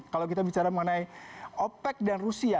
kalau kita bicara mengenai opec dan rusia